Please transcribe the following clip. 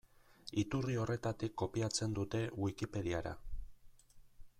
Iturri horretatik kopiatzen dute Wikipediara.